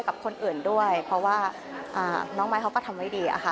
กับคนอื่นด้วยเพราะว่าน้องไม้เขาก็ทำไว้ดีอะค่ะ